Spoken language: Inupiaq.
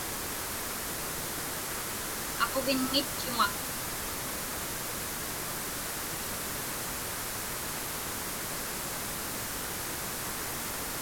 Aquvinŋitchuŋa.